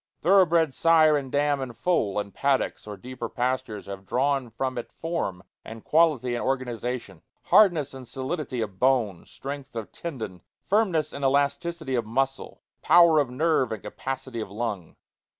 Thorough bred sire and dam and foal in paddocks or deeper pastures have drawn from it form and quality and organization: hardness and solidity of bone, strength of tendon, firmness and elasticity of muscle, power of nerve, and capacity of lung.